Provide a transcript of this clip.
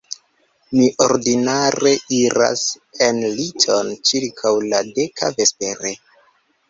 Mi ordinare iras en liton ĉirkaŭ la deka vespere.